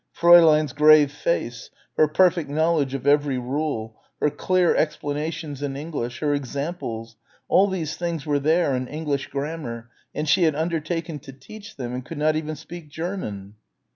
Fräulein's grave face ... her perfect knowledge of every rule ... her clear explanations in English ... her examples.... All these things were there, in English grammar.... And she had undertaken to teach them and could not even speak German.